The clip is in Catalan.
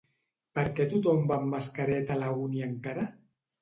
Per què tothom va amb mascareta a la uni encara?